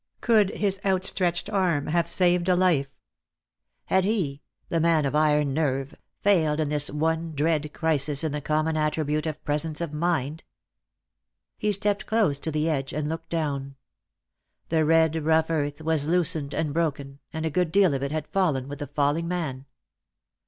Could his outstretched arm have saved a life ? Had he, the man of iron nerve, failed in this one dread crisis in the common attribute of presence of mind ? He stepped close to the edge and looked down. The red rough earth was loosened and broken, and a good deal of it had fallen with the falling man.